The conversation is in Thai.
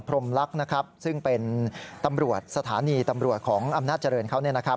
พรมลักษณ์นะครับซึ่งเป็นสถานีตำรวจของอำนาจเจริญเขา